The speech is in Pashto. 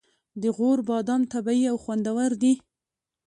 د غور بادام طبیعي او خوندور دي.